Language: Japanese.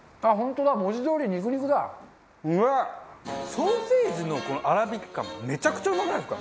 ソーセージのこの粗挽き感めちゃくちゃうまくないですか？